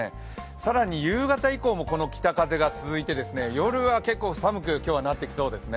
更に夕方以降もこの北風が続いて夜は結構寒くなってきそうですね。